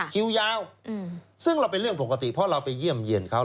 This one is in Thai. คิวยาวซึ่งเราเป็นเรื่องปกติเพราะเราไปเยี่ยมเยี่ยนเขา